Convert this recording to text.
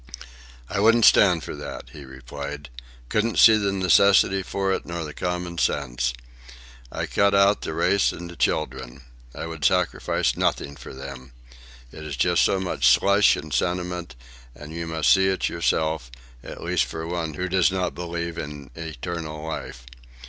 "I wouldn't stand for that," he replied. "Couldn't see the necessity for it, nor the common sense. I cut out the race and the children. I would sacrifice nothing for them. It's just so much slush and sentiment, and you must see it yourself, at least for one who does not believe in eternal life.